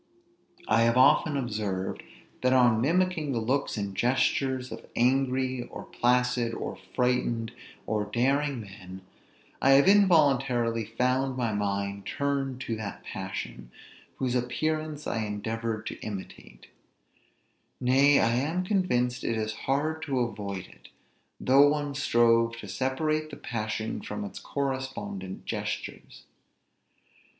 I have often observed, that on mimicking the looks and gestures of angry, or placid, or frighted, or daring men, I have involuntarily found my mind turned to that passion, whose appearance I endeavored to imitate; nay, I am convinced it is hard to avoid it, though one strove to separate the passion from its correspondent gestures.